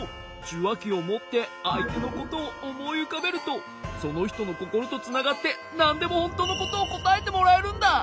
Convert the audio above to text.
じゅわきをもってあいてのことをおもいうかべるとそのひとのココロとつながってなんでもほんとうのことをこたえてもらえるんだ！